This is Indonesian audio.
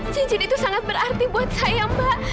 cincin itu sangat berarti buat saya mbak